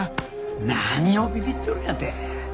何をビビっとるんやて。